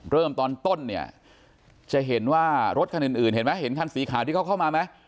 เริ่มตอนต้นเนี่ยจะเห็นว่ารถคันอื่นเห็นไหมเห็นคันสีขาวที่เขาเข้ามาไหม